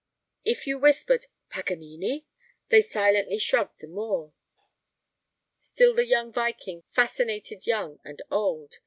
If you whispered "Paganini?" they silently shrugged the more. Still the young Viking fascinated young and old.